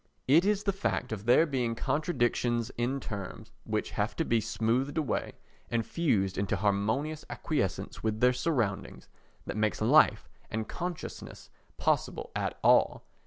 It is the fact of there being contradictions in terms, which have to be smoothed away and fused into harmonious acquiescence with their surroundings, that makes life and consciousness possible at all.